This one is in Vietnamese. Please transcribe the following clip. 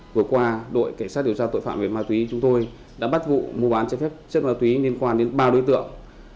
vừa qua đội cảnh sát điều tra tội phạm về ma túy chúng tôi đã bắt vụ mua bán trái phép chất ma túy liên quan đến ba đối tượng